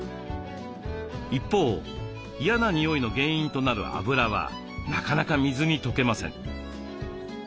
一方嫌な臭いの原因となる脂はなかなか水に溶けません。